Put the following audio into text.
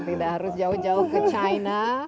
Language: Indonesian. tidak harus jauh jauh ke china